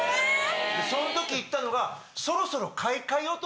その時言ったのがそろそろ。